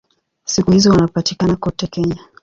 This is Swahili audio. Siku hizi wanapatikana kote Kenya.